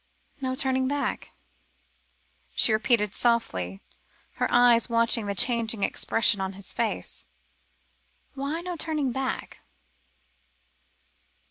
"No turning back," she repeated softly, her eyes watching the changing expressions on his face. "Why no turning back?"